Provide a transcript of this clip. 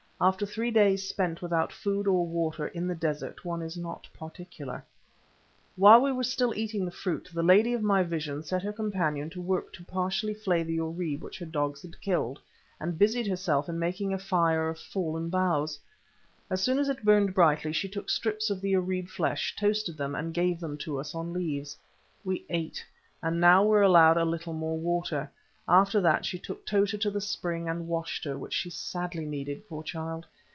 After three days spent without food or water, in the desert, one is not particular. While we were still eating the fruit, the lady of my vision set her companion to work to partially flay the oribé which her dogs had killed, and busied herself in making a fire of fallen boughs. As soon as it burned brightly she took strips of the oribé flesh, toasted them, and gave them to us on leaves. We ate, and now were allowed a little more water. After that she took Tota to the spring and washed her, which she sadly needed, poor child!